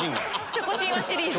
チョコ神話シリーズ。